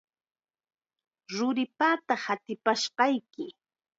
Ruripata ratipashqayki.